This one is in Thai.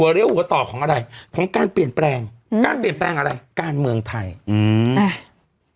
เลี้ยวหัวต่อของอะไรของการเปลี่ยนแปลงอืมการเปลี่ยนแปลงอะไรการเมืองไทยอืมอ่า